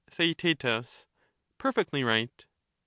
Theaet Perfectly right.